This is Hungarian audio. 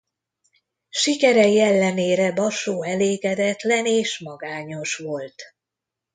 Sikerei ellenére Basó elégedetlen és magányos volt.